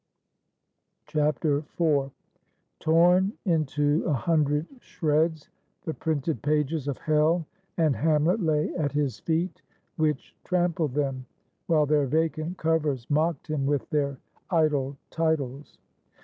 IV. Torn into a hundred shreds the printed pages of Hell and Hamlet lay at his feet, which trampled them, while their vacant covers mocked him with their idle titles.